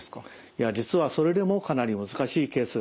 いや実はそれでもかなり難しいケースが多いです。